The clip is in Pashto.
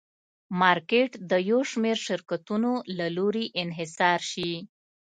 مارکېټ د یو شمېر شرکتونو له لوري انحصار شي.